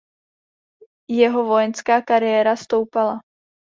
Jeho vojenská kariéra stoupala.